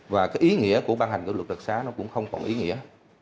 và cái ý nghĩa của ban hành của luật đặc giá nó cũng không còn ý nghĩa